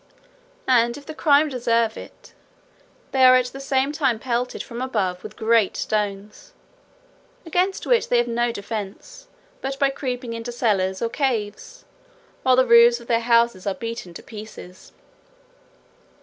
And if the crime deserve it, they are at the same time pelted from above with great stones, against which they have no defence but by creeping into cellars or caves, while the roofs of their houses are beaten to pieces.